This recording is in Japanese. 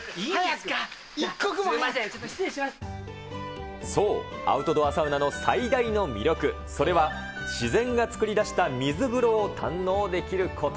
すみません、ちょっと失礼しそう、アウトドアサウナの最大の魅力、それは自然が作り出した水風呂を堪能できること。